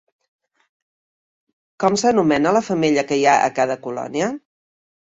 Com s'anomena la femella que hi ha a cada colònia?